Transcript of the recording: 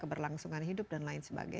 keberlangsungan hidup dan lain sebagainya